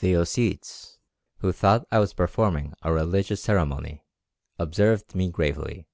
The Ossetes, who thought I was performing a religious ceremony, observed me gravely.